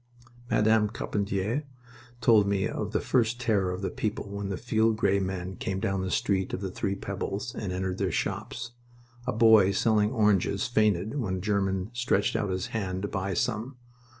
Madame Carpentier told me of the first terror of the people when the field gray men came down the Street of the Three Pebbles and entered their shops. A boy selling oranges fainted when a German stretched out his hand to buy some.